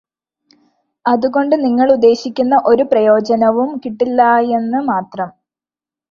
അതുകൊണ്ട് നിങ്ങളുദ്ദേശിക്കുന്ന ഒരു പ്രയോജനവും കിട്ടില്ലായെന്നു മാത്രം.